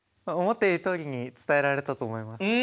思っているとおりに伝えられたと思います。